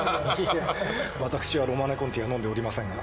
いや私は「ロマネ・コンティ」は飲んでおりませんが。